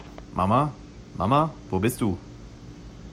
Mama, Mama, wo bist du?